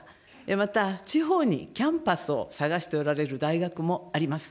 また地方にキャンパスを探しておられる大学もあります。